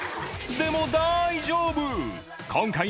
でも大丈夫！